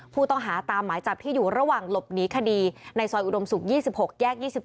ผู้ต้องหาตามหมายจับที่อยู่ระหว่างหลบหนีคดีในซอยอุดมศุกร์๒๖แยก๒๗